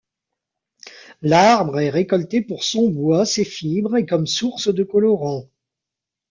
L'arbre est récolté pour son bois, ses fibres et comme source de colorant.